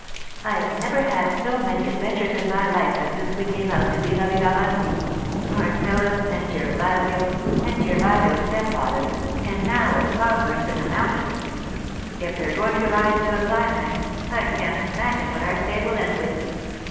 'I've never had so many adventures in my life as since we came out to Villa Vivalanti—Marcellus, and Gervasio, and Gervasio's stepfather, and now a cloud burst in the mountains! If they're going to rise to a climax, I can't imagine what our stay will end with.